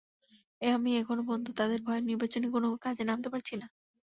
আমিও এখন পর্যন্ত তাঁদের ভয়ে নির্বাচনী কোনো কাজে নামতে পারছি না।